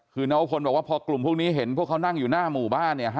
คือน้องพลบอกว่าพอกลุ่มพวกนี้เห็นพวกเขานั่งอยู่หน้าหมู่บ้านเนี่ย